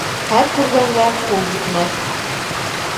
Һәр күргәнгә ҡул етмәҫ.